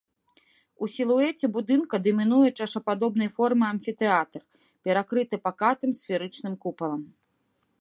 У сілуэце будынка дамінуе чашападобнай формы амфітэатр, перакрыты пакатым сферычным купалам.